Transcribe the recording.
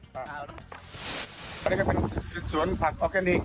ข้าวเลี้ยงเป็นสวนผักออร์แกนิค